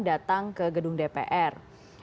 datang ke gedung dpr